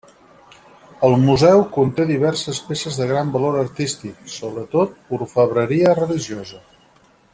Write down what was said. El Museu conté diverses peces de gran valor artístic, sobretot orfebreria religiosa.